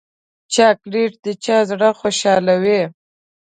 چاکلېټ د چا زړه خوشحالوي.